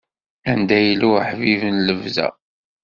Anda yella uḥbib n lebda.